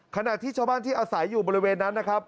ขณะที่ชาวบ้านที่อาศัยอยู่บริเวณนั้นนะครับ